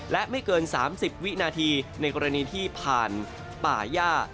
และไม่เกิน๓๐วินาทีในกรณีที่ผ่านป่าย่า